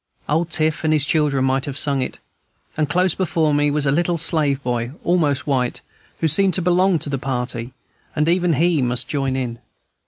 Old Tiff and his children might have sung it; and close before me was a little slave boy, almost white, who seemed to belong to the party, and even he must join in.